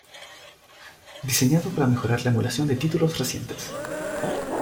Diseñado para mejorar la emulación de títulos recientes.